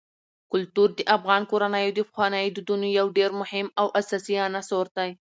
کلتور د افغان کورنیو د پخوانیو دودونو یو ډېر مهم او اساسي عنصر دی.